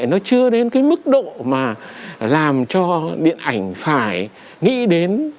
nó chưa đến cái mức độ mà làm cho điện ảnh phải nghĩ đến